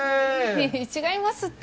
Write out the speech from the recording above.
いえいえ違いますって。